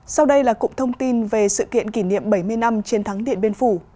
sau đây là cụm thông tin về sự kiện kỷ niệm bảy mươi năm chiến thắng điện biên phủ